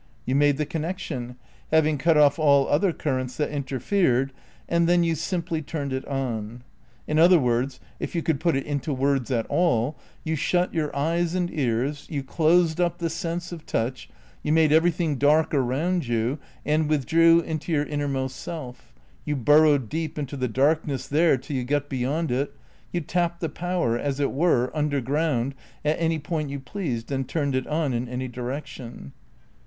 You made the connection, having cut off all other currents that interfered, and then you simply turned it on. In other words, if you could put it into words at all, you shut your eyes and ears, you closed up the sense of touch, you made everything dark around you and withdrew into your innermost self; you burrowed deep into the darkness there till you got beyond it; you tapped the Power as it were underground at any point you pleased and turned it on in any direction.